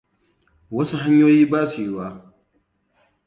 Wasu hanyoyi ba su yiwuwa ba.